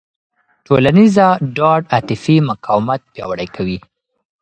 ټولنیزه ډاډ عاطفي مقاومت پیاوړی کوي.